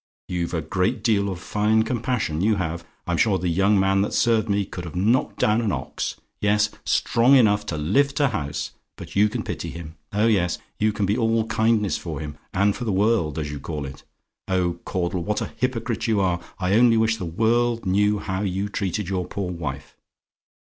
You've a great deal of fine compassion, you have! I'm sure the young man that served me could have knocked down an ox; yes, strong enough to lift a house: but you can pity him oh yes, you can be all kindness for him, and for the world, as you call it. Oh, Caudle, what a hypocrite you are! I only wish the world knew how you treated your poor wife!